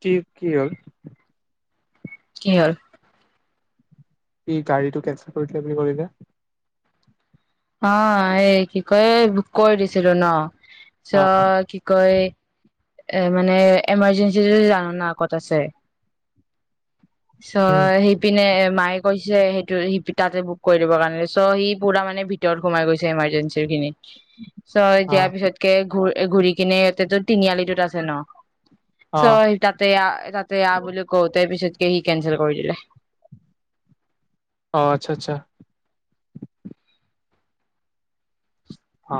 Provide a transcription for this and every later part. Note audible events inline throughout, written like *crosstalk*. কি, কি হ'ল? কি হ'ল? গাড়ীটো কেনচেল কৰি *unintelligible* অ' এই কি কয়? এই বুক কৰি দিছিলো ন? অ চ--কি কয়? এ মানে এমাৰজেঞ্চি যদি জান না? ক'ত আছে। উম অহ হেপিনে এ, মাই সেইটো, সি তাতে বুক কৰি দিবৰ কাৰণে চ' সি পুৰা মানে ভিতৰত সোমাই গৈছে ইমাৰ্জেঞ্চিৰ খিনি। চ অ দিয়াৰ পিছতকে ঘূ ঘূৰি কিনে এয়াতেো তিনিআলি আছে ন? চ অ স তাতে-তাতে আ বুলি কওঁতে, পিছত কে কেনচেল কৰি দিলে। অ আচ্ছা-আচ্ছা। অ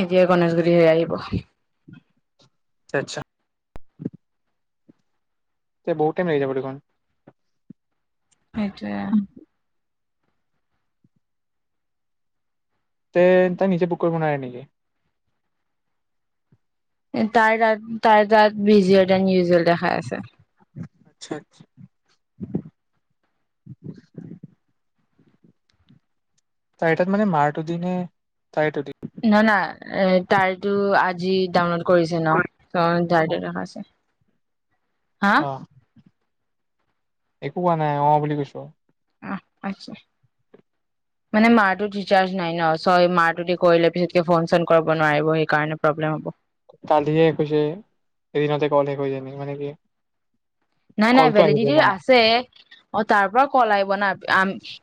এতিয়া গণেশগুৰি হৈ আহিব আচ্চা আচ্ছা তে বহুতে টাইম লাগি যাব দেখোন সেইটোৱে তে তই নিজে বুক কৰিব নোৱাৰে নেকি তাই তাত তাই তাত বিজুৱেল এড ইউজেল দেখাই আছে আচ্ছা আচছা তাই তাত মানে মাৰ টো দি নে তাই তাৰটো দি না না তাইটো আজি দাউনলত কৰিছে ন যায় দেখাইছে হা অ একো কোৱা নাই অ বুলি কৈছো অ আচছা মানে মাৰটোত ৰিচাৰ্জ নাই ন চয় মাৰটো দি কৰিলে পিছতকৈ ফোন চোন কৰিব নোৱাৰিব সেইকাৰণে প্ৰব্লেম হ'ব কালিয়ে কৈছে এদিনতে কলে কৈ যান মানে কি নাই নাই কলটো আহিবই ভেলিডিটি না আছে অ তাৰ পৰা কল আহিব নাম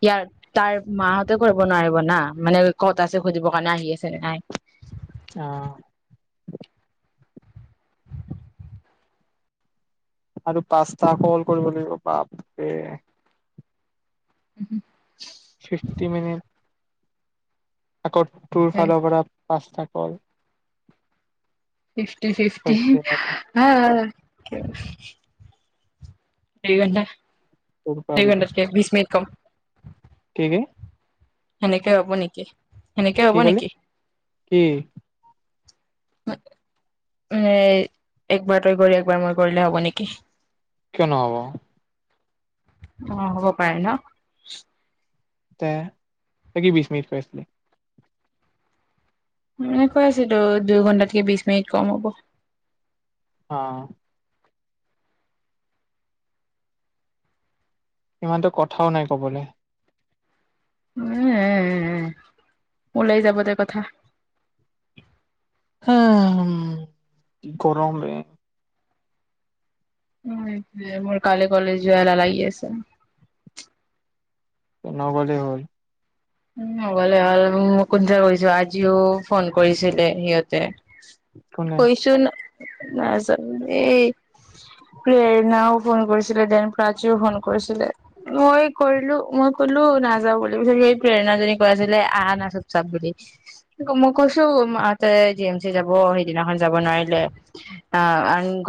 ইয়াৰ তাৰ মাহঁতে কৰিব নোৱাৰিব না মানে কত আছে সুধিবৰ কাৰণে আহি আছে নে নাই অ আৰু পাচটা কল কৰিব লাগিব বাপৰে উম হম ফিফটি মিনিট আকৌ তোৰ ফালৰ পৰা পাঁচটা হয় ফিফটি ফিফটি হ *unintelligible* সেইকাৰণে তোৰ এক ঘণ্টা কে বিছ মিনিট কম ঠিকেই সেনেকে ৰব নেকি সেনেকে কি হ'ব কলি নেকি মানে কি একবাৰ তই কৰি একবাৰ মই কৰিলে হ'ব নেকি কিয় নহ'ব অ হ'ব পাৰে ন ত তাকে বিছ মিনিট কৰিছিলি এ কৈ আছিলো দুই ঘন্টাতেকে বিশ মিনিট কম হ'ব অ ইমানতো কথাও নাই কবলৈ উম ওলাই যাবদে কথা উম গৰম ন মোৰ কালি কলেজ যোৱা লাগি আছে নগলে হল শুবলে হ'ল আৰু কোনে কৈছো আজিও ফোন কৰিছিলে সিহঁতে কোনে হুইছোঁ নাই এই প্ৰেৰণাও ফোন কৰিছিলে দেন প্ৰীও ফোন কৰিছিলে মই কৰিলো মই কলো নাযাও বুলি সি প্ৰেৰণাজী কৈ আছিলে আনা চপ চাপ বুলি মই কৈছো মাহঁতে জি এম চি যাব সেইদিনাখন যাব নোৱাৰিলে অ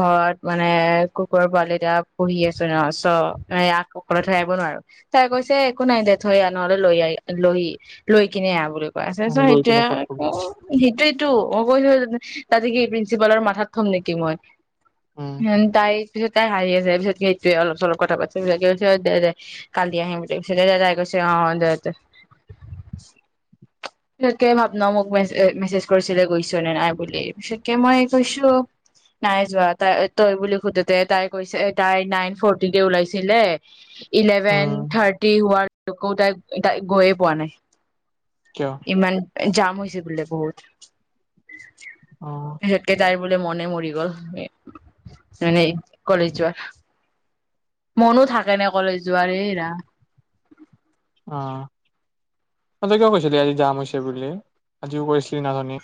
ঘৰত মানে প্ৰেৰণা জনি কৈ আছিলে আহ আহ না টোক চাব চাব দিম ত মই কৈছোঁ জিমাই যাব ত সেইদিনাখন যাব নোৱাৰিলে আ আন ঘৰত মানে কুকুৰৰ পোৱালি এটা পঢহি আছো ন চ আক অকলে থৈ আহিব নোৱাৰো তাই কৈছে একো নাই দে থৈ আহ নহ'লে লৈ আহ লৈ লৈ কিনে আহ বোলো চ লৈ পিনে ক'ত কবি সেইটোয়েই সেইটোই টো অ কৈ থ তাতে কি এই প্ৰিঞ্চিপালৰ মাথাত প্ৰথম নেকি মই উম তাই পিছত তাই হাৰি আছে পিছত কি সেইটোৱে অলপ অলপ কথা পাতি সবাকে কৈছে দে কালি আহিম বুলি পিছে দে তাই কৈছে অ দেতে আ পিতকে ভাব ন মোকে মেছেজ কৰিছিলে গৈছ নে নাই বুলি পিছতকে মই কৈছো নাই যোৱা তাই তই বুলি সোধোতে তাই কৈছে তাই নাইন ফৰটি তে ওলাইছিলে ইলেভেন উম থাৰ্টি হোৱাৰ ত কৌ তাই তাই গৈয়ে পোৱা নাই কিয় ইমান জাম হৈছে বোলে বহুত অ হেইতে তাই বোলে মনে মৰি গ'ল মান কলেজ যোৱাৰ মনো থাকে নে কলেজ যোৱাৰ এইৰা অ তাতে কিয় কৈছিলি আজি যাম হৈছে বুলি আজিও কৰিছিলি নাজানি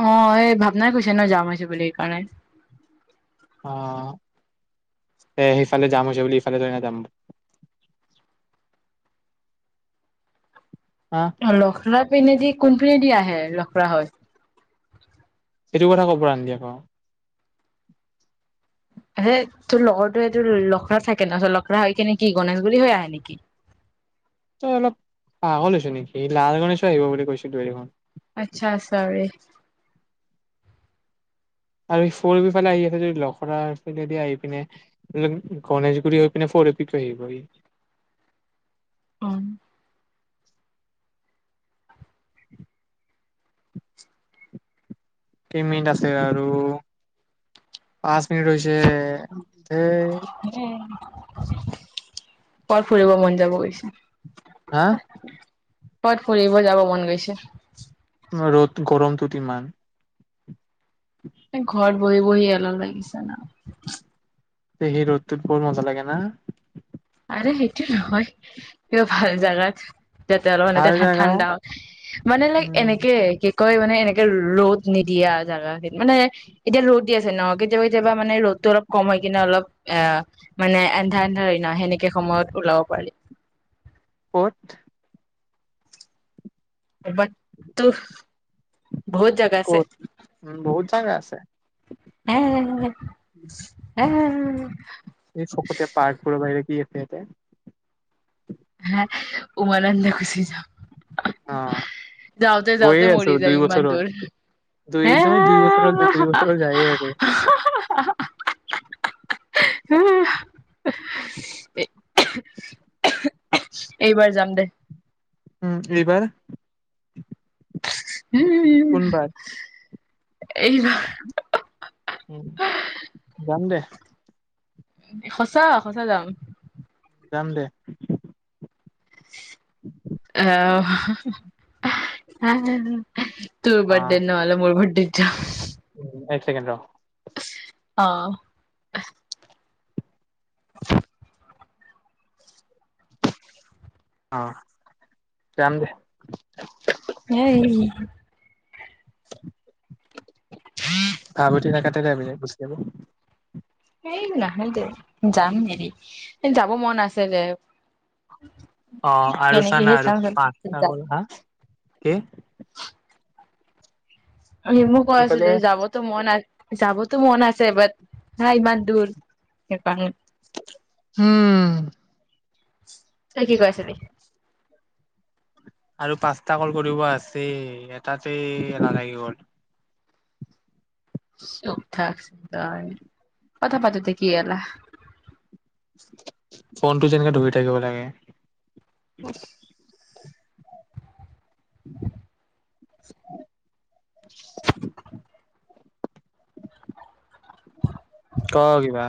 অ এই ভাৱনাই কৈছে ন যাম হৈছে বুলি সেইকাৰণে আহ এ সেইফালে যাম হৈছে বুলি ইফালে থৰে না যাম হা লখৰাত ইপিনেদি কোনপিনেদি আহে লখৰা হৈ সেইটো কথা ক'ব আন দিয়া আকৌ সেই তোৰ লগৰটো সেইটোৰ লখৰা থাকে ন লখৰা হৈ কি নেকি গণেশগুৰি হৈ আহে নেকি তই অলপ পাগলছ নেকি লালগনেশ আহিব বুলি কৈছিলো দেখোন আটচা চ'ৰি আৰু ফৰ এ প ফালে আহি আছে যদি লখৰা পিনে দি আহি পিনে, গনেশগুৰি হৈ পিনে, ফৰ এ প টো আহিব সি। উম *unintelligible* কেইমিনিট আছে আৰু, পাঁচ সি ৰৈছেহে ধেই বৰ ফুৰিব মন যাব গৈছে হাঁ কবাত ফুৰিব যাব মন গৈছে ৰ'দ, গৰমটোত ইমান ঘৰত বহি বহি এলাহ লাগিছে না পেহী ৰ'দটোত বৰ মজা লাগে না আৰে সেইটো নহয় কিবা ভাল জাগাত তে অলপ ভাল মানে জাগা ঠাণ্ডা মানে লাইক উম এনেকে কি কয় মানে এনেে ৰ'দ নিদিয়া জাগা মানে এতিয়া ৰ'দ দি আছে ন কেতিয়াবা কেতিয়াবা মানে ৰ'দটো অলপ কম হয় কিনে অলপ এ মানে এন্ধাৰ এন্ধা ন সেনে একে সময়ত ওলাব পাৰি অঠ পত বহুত জেগা আছে ক'ত উম বহুত জাগা আছে হ হ এই ফকতীয়া পাৰ্কবোৰৰ বাহিৰে কি এফতে হ উমানমানন্দ গুচি যাম অ যাওঁতে যাওঁতে গৈয়ে আছো মৰি যায় দুই ইমান বছৰত দূৰ দুই হে নহয় দুই বছৰ হ'ল দুই বছৰ হ'ল যায়ে আছো হ এইবাৰ যাম দে উম এইবাৰ কোনবাৰ এইবাৰ উ যাম দে সঁচা সঁচা যাম যাম দে আহ হ তোৰ বাৰঠডেত নহলে মোৰ বাৰঠডেত যাম উ এক চেকেণ্ড ৰ আহ *unintelligible* অ দে এই হভতি ন কাট যাবি গুচি যাব এই নাহয় যে যাম দেৰি যাব মন আছে যে অ আৰু চানা আৰু পাঁচটা যাম। কলা হা ক সি মোক কৈ কি আছিল কলে যাবতো মন আ যাবতো মন আছে বাট হা ইমান দূৰ সুৱা উম তই কি কৈ আছিলি আৰু পাঁচটা কল কৰিব আছে এটাতে এলাগি গ'ল চুপ থাক তই কথা পাতিতে কি এলেহ ফোনটো যেনেকে ধৰি থাকিব লাগে উম উম উম ক কিবা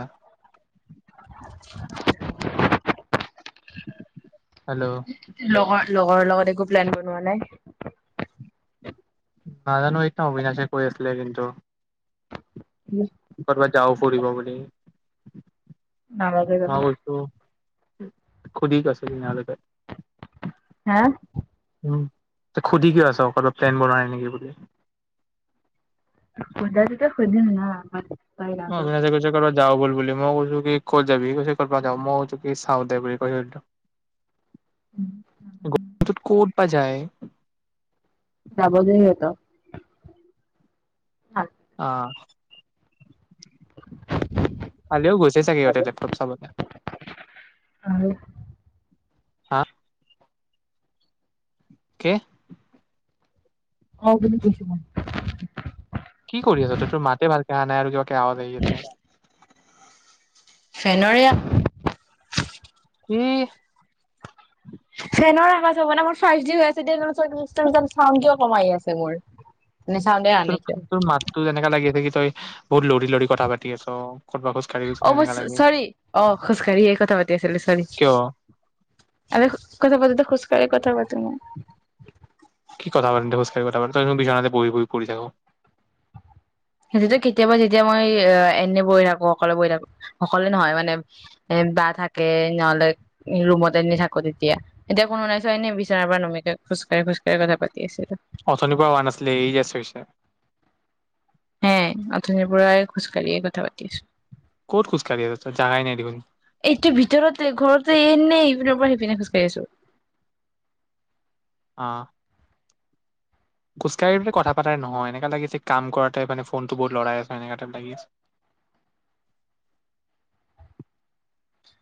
হেল্ল' লগৰ লগৰৰ লগত একো প্লান বনোৱা নাই নাজানো এইটা অবিনাশে কৰি আছিলে কিন্তু উম কৰ'বাত যাও ফুৰিব বুলি নালগে যাব উম সুধি কিয় আছ তেনে হলে তই হা সুধি কিয় আছ অ প্লেন বনাই নেকি বুলি সুধাটোত সুধিম ন মই অবিনাশে যা বল বুলি মই কৈছো কি ক'ত যাবি কৈছ ক'ৰ পৰা যাওঁ মই কৈছো কি চাওঁ দে বুলি কৈছোটো গত ক'ত বা যায় যাবলৈ সিহঁতক অ কালিও গুচ চাগে ইিহঁতে লেপটপ চাবলৈ আ কে অ বুলি কৈছো মই। কি কৰি আছ তই? তোৰ মাতে ভালকে আহা নাই আৰু কিব বাহঁত আহি আছে ফেনৰিয়া? কি ফেনৰ আৱাজ হব ন মোৰ চৰ্দি হৈ আছে। *unintelligible* চাউণ্ড কিয় কম আহি আছে মোৰ নে চাউণ্ডে আহা তোৰ নাই কিয় তোৰ মাতটো যেনেকা লাগি আছে কি তই বহুত লৰি লৰি কথা পাতি আছ। তই অ মই চ-চৰি। অ খোজকাঢ়ি এ কথা পাতি আছিলো চৰি। কিয় আমি কথা পাতোতে খোজকাঢ়ি কথা পাতিম। কি কথা পাতোতে খোজকাঢ়ি কথা পাত? তই দেখো বিছনাতে বহি বহি কৰি থাক'। সেইটোতো কেতিয়াবা যেতিয়া মই এনে বহি থাকো, অকলে বহি থাকো। অকলে নহয় মানে এ বা থাকে নহলে ৰুমত এনে থাকো তেতিয়া। এতিয়া কোনো নাই চ এনে বিচনাৰ পৰা নুমিকে খোজ কা, খোজ কাঢ়ি কথা পাতি আছিলো। অথনিৰ পৰা হোৱা নাছিলে এই জাষ্ট হৈছে। হে অথনিৰ পৰাই খোজকাঢ়িয়ে কথা পাতি আছো। ক'ত খোজকাঢ়ি আছ তই জাগাই নাই দেখোন এইটো ভিতৰতে ঘৰতে এনেই ইপিনৰ পৰা সিপিন পিছেপিনে খোজকাঢ়ি আছো। অ খোজকাঢ়ি কথা পাতাৰ নহয় এনেকা লাগিছে কাম কৰাতে মানে ফোনটো বহুত লৰাই আছ এনেকা টাইপ লাগি আছে।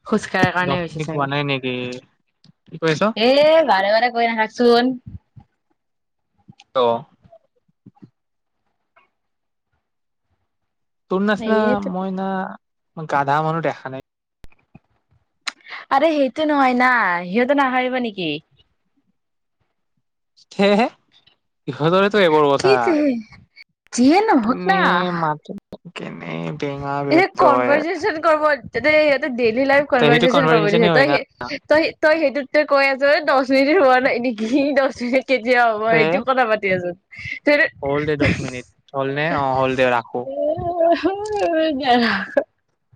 খোজকাঢ়াৰ কাৰণে দহ হৈছি মিনিট হোৱা চাগে। নাই নেকি কি কৈ আছ এ বাৰে বাৰে গৈ নাথাকচোন। অ তোৰ নাচনা এইটো মইনা মই গাধা মানুহ দেখা নাই। আৰে সেইটো নহয় না সিহঁতে নাহাৰিব নেকি? সেয়েহে ইহঁতৰে কি যে যিয়ে ন হওক এনে না। মাত কেনে বেঙা এনে বেতয় কনভাৰজেচন কৰ তাতেই ডেইলি লাইভ ত সেইটো কনভাৰজেচন কৰিব দিছে। কনভাৰচেচনে হয় না তই-তই-তই সেইটো তই কৈ আছ দছ মিনিট হোৱা নাই নেকি দহ মিনিট কেতিয়া হ'ব তে সেইটোও কথা পাতি আছো। হল দে দছ মিনিট। হল নে? অ হল দে ৰাখো। *unintelligible*